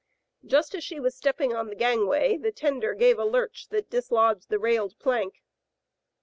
Just as she was stepping on the gangway the tender gave a lurch that dislodged the railed plank.